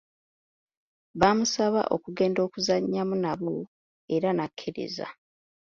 Baamusaba okugenda okuzannyamu nabo era n'akkiriza.